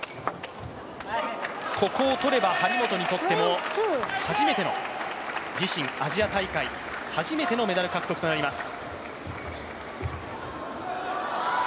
ここを取れば張本にとっても自身初めてのアジア大会メダル獲得となります。